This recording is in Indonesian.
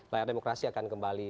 layar demokrasi akan kembali